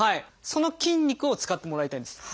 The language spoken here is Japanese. その筋肉を使ってもらいたいんです。